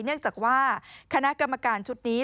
เนื่องจากว่าคณะกรรมการชุดนี้